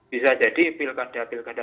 bisa jadi pilgada pilgada